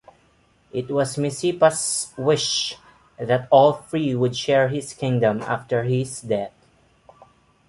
It was Micipsa's wish that all three would share his kingdom after his death.